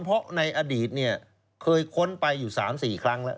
เพราะในอดีตเนี่ยเคยค้นไปอยู่๓๔ครั้งแล้ว